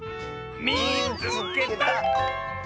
「みいつけた！」。